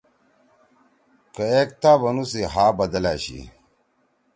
کہ ایک تا بنُو سی ہآ بدل أشی۔